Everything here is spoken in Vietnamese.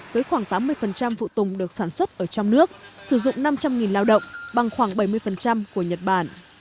với khoảng tám mươi phụ tùng được sản xuất ở trong nước sử dụng năm trăm linh lao động bằng khoảng bảy mươi của nhật bản